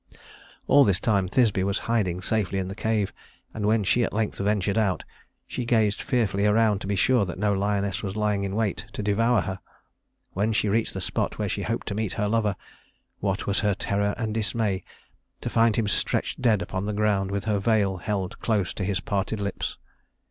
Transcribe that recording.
All this time Thisbe was hiding safely in the cave, and when she at length ventured out, she gazed fearfully around to be sure that no lioness was lying in wait to devour her. When she reached the spot where she hoped to meet her lover, what was her terror and dismay to find him stretched dead upon the ground with her veil held close to his parted lips.